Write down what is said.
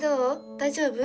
大丈夫？